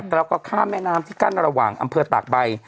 แล้วก็ข้ามแม่น้ำที่กั้นระหว่างอำเภอตากใบ